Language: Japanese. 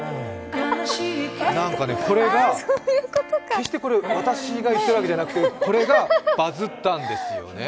決して、これは私が言っているわけじゃなくて、これがバズッたんですよね。